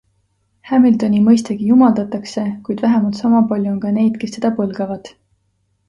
Hamiltoni mõistagi jumaldatakse, kuid vähemalt sama palju on ka neid, kes teda põlgavad.